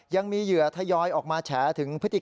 ยังมีเหยื่อทยอยออกมาแฉ